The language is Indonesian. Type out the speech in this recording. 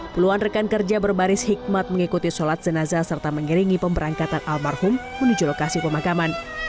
puluhan rekan kerja berbaris hikmat mengikuti sholat jenazah serta mengiringi pemberangkatan almarhum menuju lokasi pemakaman